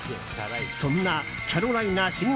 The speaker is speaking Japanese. そんなキャロライナ死神